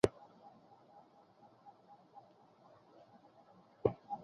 তিনি সাহিত্য বিষয়ক গবেষণা ও সমালোচনার জন্য খ্যাত।